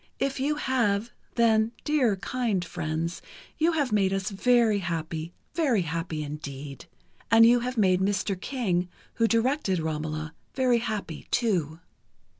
If you have, then, dear, kind friends, you have made us very happy, very happy indeed ... and you have made Mr. King, who directed 'Romola,' very happy, too."